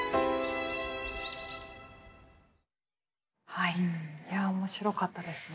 はいいや面白かったですね。